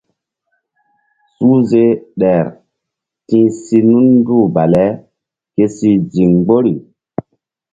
Suhze ɗer ti̧h si nunduh bale ke si ziŋ mgbori.